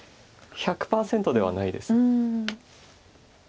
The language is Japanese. １００％ではないです。